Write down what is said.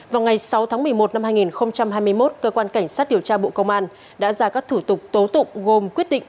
vào ngày sáu tháng một mươi một năm hai nghìn hai mươi một cơ quan cảnh sát điều tra bộ công an đã ra các thủ tục tố tụng gồm quyết định